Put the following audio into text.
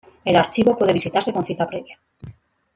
El archivo puede visitarse con cita previa.